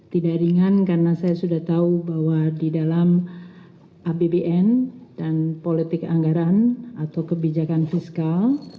tidak ringan karena saya sudah tahu bahwa di dalam apbn dan politik anggaran atau kebijakan fiskal